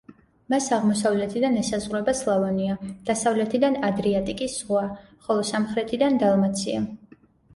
მას აღმოსავლეთიდან ესაზღვრება სლავონია, დასავლეთიდან ადრიატიკის ზღვა ხოლო სამხრეთიდან დალმაცია.